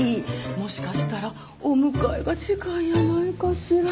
もしかしたらお迎えが近いやないかしらって。